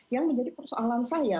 yang menjadi persoalan saya